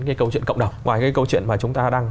cái câu chuyện cộng đồng ngoài cái câu chuyện mà chúng ta đang